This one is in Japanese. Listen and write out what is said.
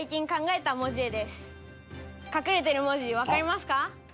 隠れてる文字わかりますか？